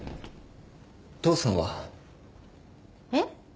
父さんは？えっ？